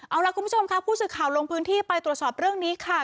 เอาล่ะคุณผู้ชมค่ะผู้สื่อข่าวลงพื้นที่ไปตรวจสอบเรื่องนี้ค่ะ